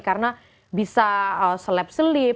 karena bisa selep selep